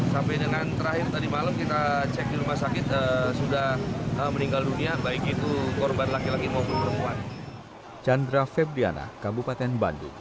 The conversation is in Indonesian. sampai dengan terakhir tadi malam kita cek di rumah sakit sudah meninggal dunia baik itu korban laki laki maupun perempuan